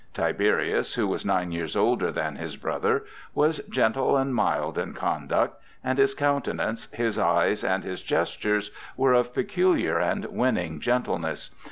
Tiberius, who was nine years older than his brother, was gentle and mild in conduct; and his countenance, his eyes, and his gestures were of peculiar and winning gentleness.